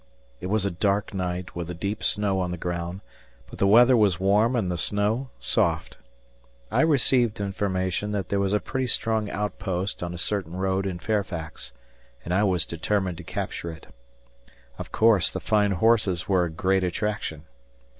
It was a dark night with a deep snow on the ground, but the weather was warm and the snow soft. I received information that there was a pretty strong outpost on a certain 1. A letter to Mrs. Mosby. road in Fairfax, and I was determined to capture it. Of course, the fine horses were a great attraction.